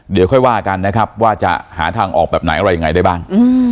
เดี๋ยวค่อยว่ากันนะครับว่าจะหาทางออกแบบไหนอะไรยังไงได้บ้าง